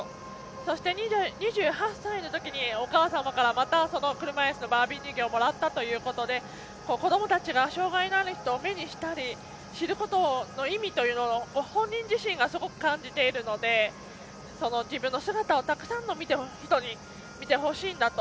そして２８歳のときお母様から、また車いすのバービー人形をもらったということで子どもたちが障がいのある人を目にすることの意味を本人自身もすごく感じているので自分の姿をたくさんの人に見てほしいんだと。